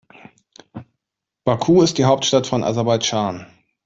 Baku ist die Hauptstadt von Aserbaidschan.